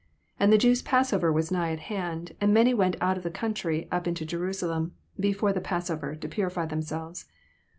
66 And the Jews' passover was nigh at hand : and many went out of the country up to Jerusalem before the passover, to purify. themselves.